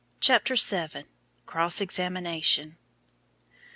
CHAPTER VII. CROSS EXAMINATION.